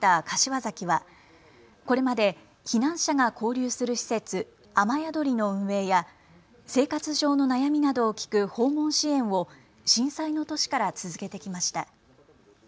柏崎はこれまで避難者が交流する施設、あまやどりの運営や生活上の悩みなどを聞く訪問支援を震災の年から続けてきました。